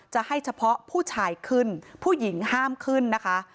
จะให้เฉพาะผู้ชายขึ้นผู้หญิงห้ามขึ้นนะคะ